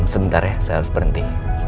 sebentar ya saya harus berhenti